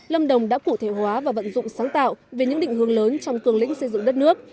lâm đồng đã cụ thể hóa và vận dụng sáng tạo về những định hướng lớn trong cường lĩnh xây dựng đất nước